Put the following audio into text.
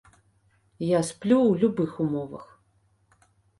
Я сплю ў любых умовах.